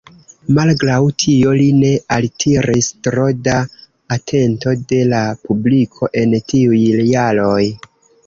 Malgraŭ tio, li ne altiris tro da atento de la publiko en tiuj jaroj.